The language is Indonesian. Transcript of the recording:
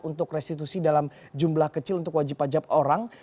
untuk restitusi dalam jumlah kecil untuk wajib pajak orang